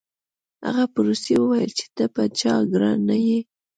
هغه په روسي وویل چې ته په چا ګران نه یې